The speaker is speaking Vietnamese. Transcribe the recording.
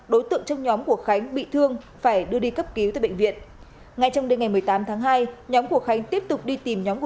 đối tượng trong nhóm của khánh bị tấn công